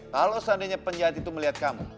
kalau seandainya penjahat itu melihat kamu